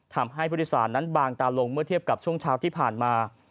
ทำให้ผู้โดยสารนั้นบางตาลงเมื่อเทียบกับช่วงเช้าที่ผ่านมา